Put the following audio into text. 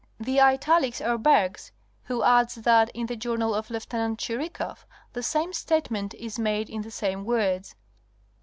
The italics are Bergh's, who adds that, in the journal of Lieut. Chirikoff, the same statement is made in the same words.